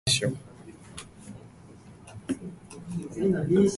そのとき、私はまだぐっすり眠っていたので、服は片方にずり落ち、シャツは腰の上に載っていました。